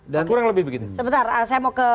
dan kurang lebih begitu sebentar saya mau ke